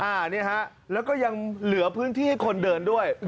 อันนี้ฮะแล้วก็ยังเหลือพื้นที่ให้คนเดินด้วย